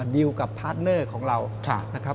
ดีลกับพาร์ทเนอร์ของเรา